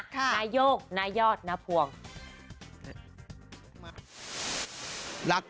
นายกนายอดนภวง